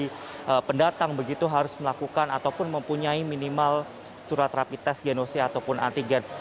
mereka datang begitu harus melakukan ataupun mempunyai minimal surat rapid tes genose ataupun antigen